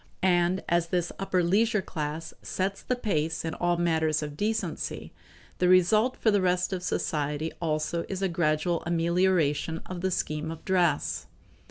And as this upper leisure class sets the pace in all matters of decency, the result for the rest of society also is a gradual amelioration of the scheme of dress.